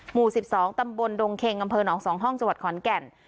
หมู่สิบสองตำบลดงเข็งกำเภอหนองสองห้องจังหวัดขอนแก่น